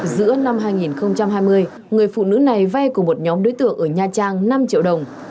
giữa năm hai nghìn hai mươi người phụ nữ này vay của một nhóm đối tượng ở nha trang năm triệu đồng